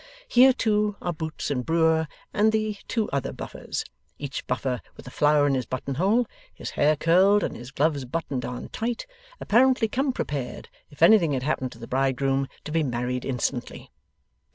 Here, too, are Boots and Brewer, and the two other Buffers; each Buffer with a flower in his button hole, his hair curled, and his gloves buttoned on tight, apparently come prepared, if anything had happened to the bridegroom, to be married instantly.